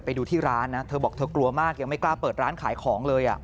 ไปดูที่ร้านนะเธอบอกเธอกลัวมากยังไม่กล้าเปิดร้านขายของเลย